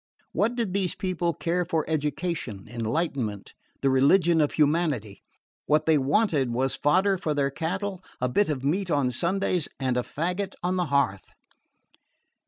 What did these people care for education, enlightenment, the religion of humanity? What they wanted was fodder for their cattle, a bit of meat on Sundays and a faggot on the hearth.